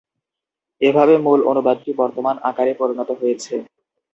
এভাবে মূল-অনুবাদটি বর্তমান আকারে পরিণত হয়েছে।